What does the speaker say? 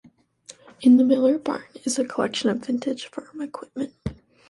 In the Miller Barn is a collection of vintage farm equipment.